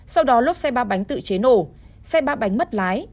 sau đó lốp xe ba bánh tự chế nổ xe ba bánh mất lái